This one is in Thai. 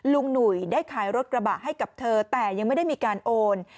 หนุ่ยได้ขายรถกระบะให้กับเธอแต่ยังไม่ได้มีการโอน